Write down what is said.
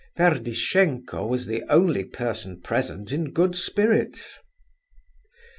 Ferdishenko was the only person present in good spirits.